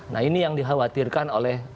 nah ini yang dikhawatirkan oleh